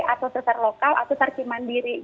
atau sesar lokal atau sesar cimandiri